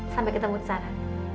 sampai ketemu di sana